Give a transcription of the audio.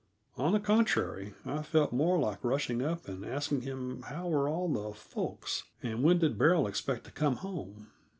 On the contrary, I felt more like rushing up and asking him how were all the folks, and when did Beryl expect to come home.